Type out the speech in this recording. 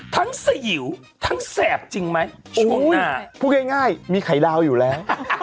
ทั้งสยิวทั้งแสบจริงไหมโอ้ยพูดง่ายมีไข่ดาวอยู่แล้ว